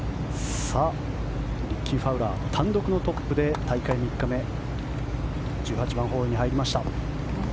リッキー・ファウラー単独のトップで大会３日目１８番ホールに入りました。